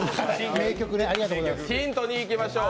ひんと２いきましょう。